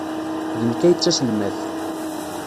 D nekk ay d taselmadt.